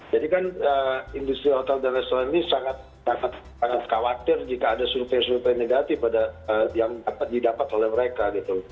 jadi kan industri hotel dan restoran ini sangat sangat khawatir jika ada survei survei negatif yang dapat didapat oleh mereka gitu